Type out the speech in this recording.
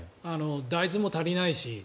大豆も足りないし。